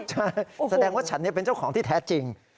ใช่แสดงว่าฉันเป็นเจ้าของที่แท้จริง